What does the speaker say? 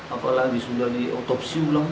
apalagi sudah diotopsi ulang